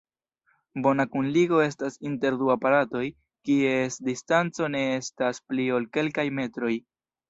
Bona kunligo estas inter du aparatoj, kies distanco ne estas pli ol kelkaj metroj.